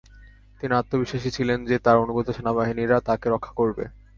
তিনি আত্মবিশ্বাসী ছিলেন যে, তার অনুগত সেনাবাহিনীরা তাকে রক্ষা করবে।